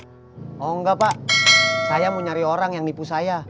tidak pak saya mau cari orang yang nipu saya